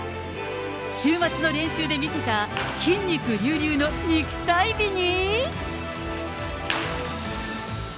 週末の練習で見せた、筋肉隆々の肉体美に。